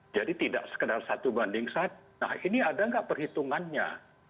jadi tidak sekedar satu banding satu nah ini ada nggak perhitungannya